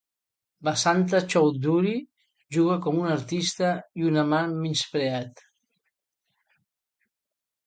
Basanta Chowdhury juga com un artista i un amant-menyspreat.